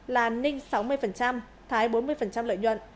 là ninh sáu mươi thái bốn mươi lợi nhuận